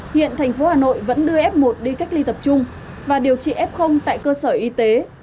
hiện thành phố hà nội vẫn đưa f một đi cách ly tập trung và điều trị f tại cơ sở y tế